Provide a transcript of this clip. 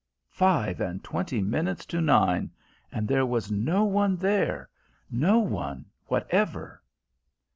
Five and twenty minutes to nine, and there was no one there no one whatever!